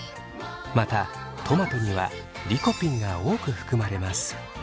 またトマトにはリコピンが多く含まれます。